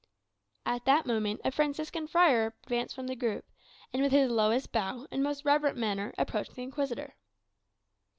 At that moment a Franciscan friar advanced from the group, and with his lowest bow and most reverent manner approached the Inquisitor.